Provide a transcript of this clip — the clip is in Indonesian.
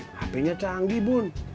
hp nya canggih bun